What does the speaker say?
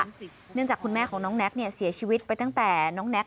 เนื่องจากคุณแม่ของน้องแน็กเนี่ยเสียชีวิตไปตั้งแต่น้องแน็ก